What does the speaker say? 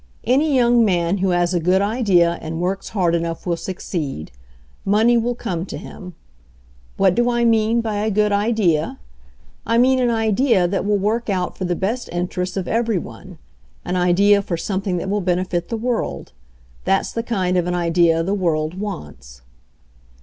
Any young man who has a good idea and works hard enough will succeed ; money will come to him. What do I mean by a good idea? I mean an idea that will work out for the best interests of every one — an idea for something that will benefit the world. That's the kind of an idea the world wants."